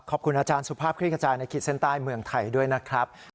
ขอบคุณอาจารย์สุภาพคลิกกระจายในขีดเส้นใต้เมืองไทยด้วยนะครับ